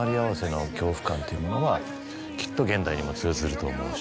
というものはきっと現代にも通ずると思うし。